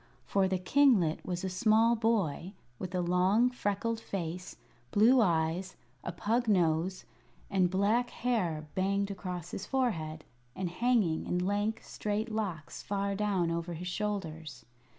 For the kinglet was a small boy with a long, freckled face, blue eyes, a pug nose, and black hair banged across his forehead, and hanging in lank, straight locks far down over his shoulders.